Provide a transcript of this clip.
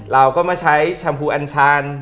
เราก็มาใช้แชมพูอัญชา